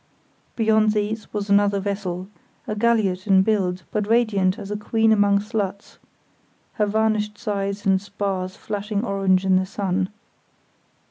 Beyond these was another vessel, a galliot in build, but radiant as a queen among sluts; her varnished sides and spars flashing orange in the sun.